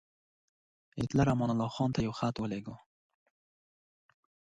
هیټلر امان الله خان ته یو لیک واستاوه.